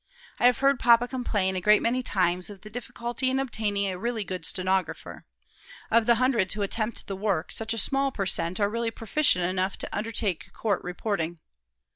I have heard papa complain a great many times of the difficulty in obtaining a really good stenographer. Of the hundreds who attempt the work, such a small per cent are really proficient enough to undertake court reporting."